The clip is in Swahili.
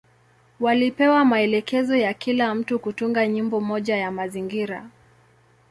Walipewa maelekezo ya kila mtu kutunga nyimbo moja ya mazingira.